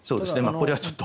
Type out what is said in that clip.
これはちょっと。